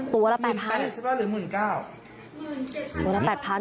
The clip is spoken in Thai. ตัวละ๘๐๐๐บาทหรอ